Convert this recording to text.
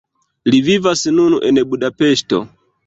Li vivas nun en Budapeŝto.